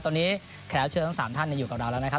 ตอนนี้แขกรับเชิญทั้ง๓ท่านอยู่กับเราแล้วนะครับ